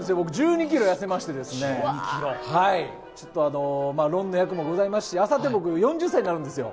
僕、１２ｋｇ痩せまして、ロンの役もございますし、あさって僕、４０歳になるんですよ。